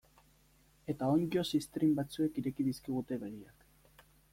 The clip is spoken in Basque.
Eta onddo ziztrin batzuek ireki dizkigute begiak.